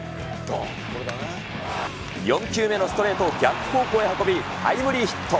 ４球目のストレートを逆方向へ運び、タイムリーヒット。